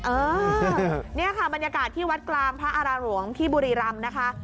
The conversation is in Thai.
เออนี่ค่ะบรรยากาศที่วัดกลางพระอาราหลวงที่บุรีรำนะคะ